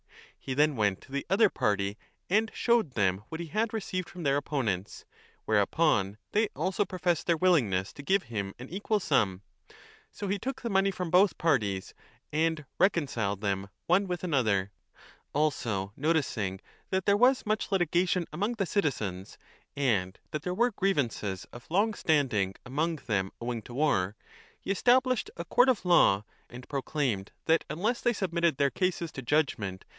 He then went to the other party and showed them what he had received from their opponents ; whereupon they also professed their willingness to give him an equal sum. So he took the money from both parties and reconciled them one with another. Also, noticing that there was much litigation among the citizens and that there 10 were grievances of long standing among them owing to war, he established a court of law and proclaimed that unless they submitted their cases to judgement within a period 3 is here used in its wider sense of profits ; in 1.